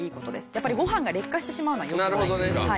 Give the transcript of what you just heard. やっぱりご飯が劣化してしまうのはよくない。